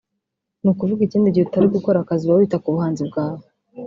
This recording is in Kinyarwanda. ni ukuvuga ikindi gihe utari gukora akazi uba wita ku buhanzi bwawe